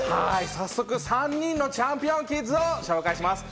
早速、３人のチャンピオンキッズを紹介します。